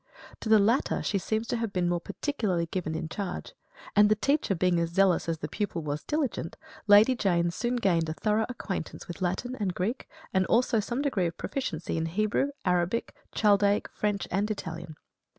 To the latter she seems to have been more particularly given in charge; and the teacher being as zealous as the pupil was diligent, Lady Jane soon gained a thorough acquaintance with Latin and Greek, and also some degree of proficiency in Hebrew, Arabic, Chaldaic, French and Italian.